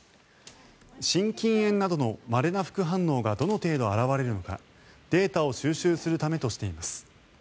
心筋炎などのまれな副反応がどの程度表れるのかデータを収集するためとしています。